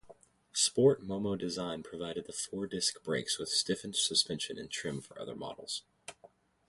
Sport MomoDesign provided the four-disc brakes with stiffened suspension and trim for other models.